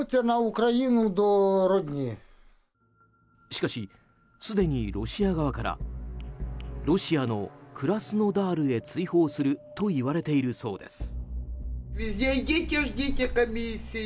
しかし、すでにロシア側からロシアのクラスノダールへ追放するといわれているそうです。